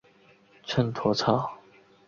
秤砣草